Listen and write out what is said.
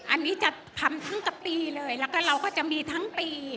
อันนี้จะทำทั้งกับปีเลยแล้วก็เราก็จะมีทั้งปี